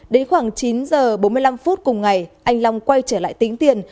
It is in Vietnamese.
đến khoảng chín h bốn mươi năm cùng ngày anh long quay trở lại tính tiền